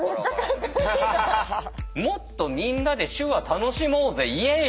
「もっとみんなで手話楽しもうぜイエイ！」